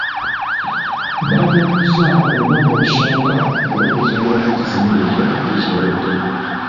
Baajaguzza olunaku olusooka olw'okuzimbirako ekizimbe ekyo wiiki ewedde.